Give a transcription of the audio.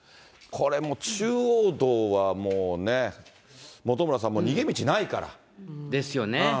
これもう、中央道はもうね、本村さん、逃げ道ないから。